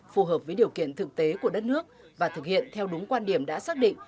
phù hợp với điều kiện thực tế của đất nước và thực hiện theo đúng quan điểm đã xác định